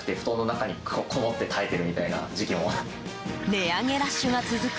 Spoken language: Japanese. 値上げラッシュが続く